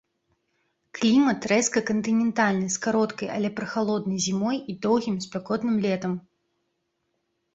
Клімат рэзка кантынентальны з кароткай, але прахалоднай зімой і доўгім спякотным летам.